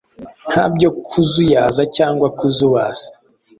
Ntabyo kuzuyaza cyangwa kuzubaza